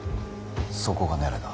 そこがねらいだ。